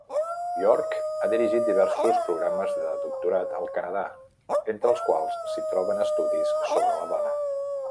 York ha dirigit diversos programes de doctorat al Canadà, entre els quals s'hi troben estudis sobre la dona.